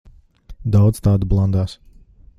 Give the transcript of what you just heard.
Daudz tādu blandās.